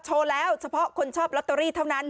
แล้วเฉพาะคนชอบลอตเตอรี่เท่านั้น